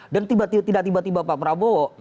dan tidak tiba tiba pak prabowo